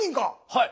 はい。